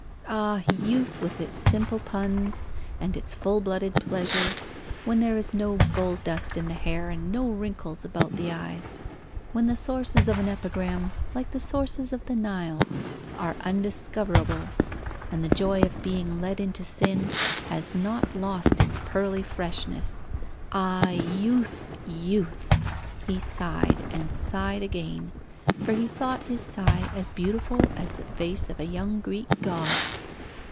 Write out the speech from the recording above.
Ah! youth with its simple puns and its full blooded pleasures, when there is no gold dust in the hair and no wrinkles about the eyes, when the sources of an epigram, like the sources of the Nile, are undiscoverable, and the joy of being led into sin has not lost its pearly freshness! Ah! youth youth! He sighed, and sighed again, for he thought his sigh as beautiful as the face of a young Greek god!